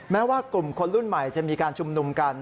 แม้ว่ากลุ่มคนรุ่นใหม่จะมีการชุมนุมกัน